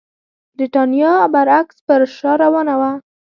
برېټانیا برعکس پر شا روانه وه.